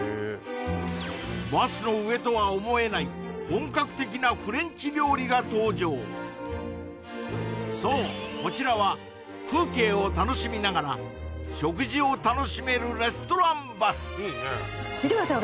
バスの上とは思えない本格的なフレンチ料理が登場そうこちらは風景を楽しみながら食事を楽しめるレストランバス見てください